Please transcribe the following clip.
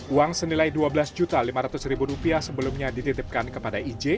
uang senilai rp dua belas lima ratus sebelumnya dititipkan kepada ij